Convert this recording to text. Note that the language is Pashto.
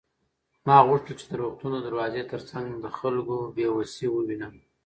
ما غوښتل چې د روغتون د دروازې تر څنګ د خلکو بې وسي ووینم.